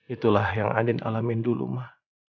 itulah yang adin alamin dulu ma